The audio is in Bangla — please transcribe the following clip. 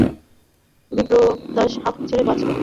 বিপ্রদাস হাঁফ ছেড়ে বাঁচল।